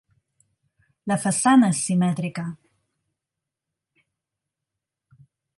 La façana és simètrica.